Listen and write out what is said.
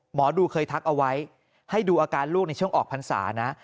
หมอดูเคยทักเอาไว้ให้ดูอาการลูกในช่วงออกพรรษานะ